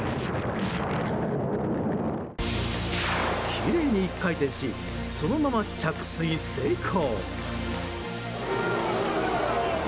きれいに１回転しそのまま着水成功！